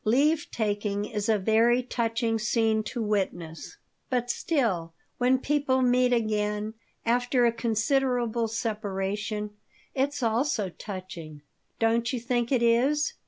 "Leave taking is a very touching scene to witness. But still, when people meet again after a considerable separation, it's also touching. Don't you think it is?"